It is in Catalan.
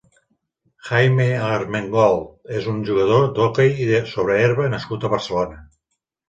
Jaime Armengold és un jugador d'hoquei sobre herba nascut a Barcelona.